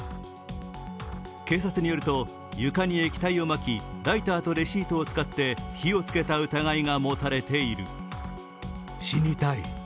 警察によると、床に液体をまきライターとレシートを使って火をつけた疑いが持たれている。